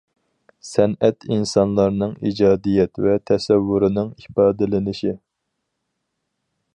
سەنئەت ئىنسانلارنىڭ ئىجادىيەت ۋە تەسەۋۋۇرىنىڭ ئىپادىلىنىشى.